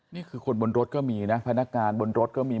นี่คือคนบนรถก็มีนะพนักงานบนรถก็มี